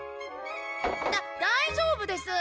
だ大丈夫です！